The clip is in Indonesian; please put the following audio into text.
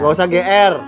gak usah gr